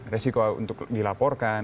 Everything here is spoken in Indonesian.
resiko untuk dilaporkan